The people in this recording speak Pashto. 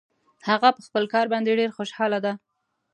هغه په خپل کار باندې ډېر خوشحاله ده